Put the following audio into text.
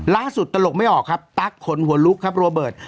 ตลกไม่ออกครับตั๊กขนหัวลุกครับโรเบิร์ต